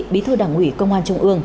bí thư đảng ủy công an trung ương